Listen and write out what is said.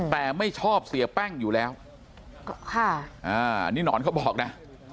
แต่ไม่ชอบเสียแป้งอยู่แล้วค่ะอ่าอันนี้หนอนเขาบอกนะ